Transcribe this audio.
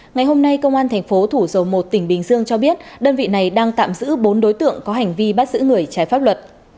ngày hôm nay công an thành phố thủ dầu một tỉnh bình dương cho biết đơn vị này đang tạm giữ bốn đối tượng có hành vi bắt giữ người trái pháp luật